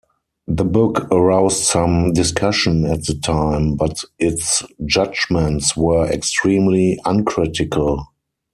The book aroused some discussion at the time, but its judgments were extremely uncritical.